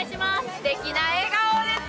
すてきな笑顔です。